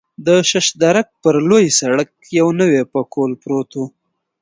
د شش درک پر لوی سړک یو نوی پکول پروت و.